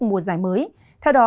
mùa giải mới theo đó